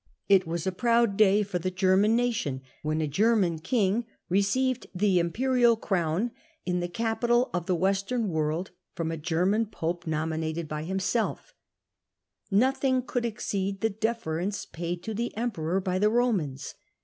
It was a proud day for the German C H% Digitized by VjChDQIC 1 8 HiLDRBRAND nation when a German king received the iniporiul crown, in the capital of the Western world, firom a German pope nominated by himself. Nothing could exceed the deference paid to the emperor by the Romans.